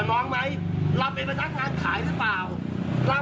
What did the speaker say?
น้องไม่ใช่พนักงานขาย